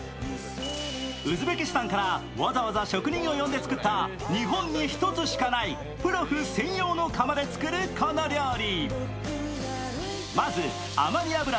ウズベキスタンからわざわざ職人を呼んで作った日本に一つしかないプロフ専用の釜で作るこの料理。